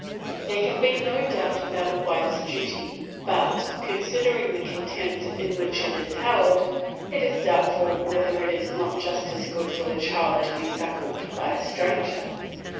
There can be no doubt about a wife's duty, but, considering the contempt in which it is held, it is doubtful whether it is not just as good for the child to be suckled by a stranger.